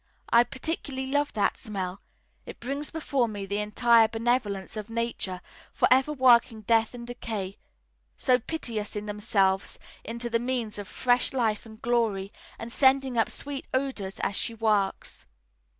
I particularly love that smell, it brings before me the entire benevolence of Nature, for ever working death and decay, so piteous in themselves, into the means of fresh life and glory, and sending up sweet odours as she works.